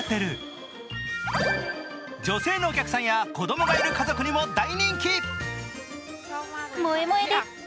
女性のお客さんや子供がいる家族にも大人気。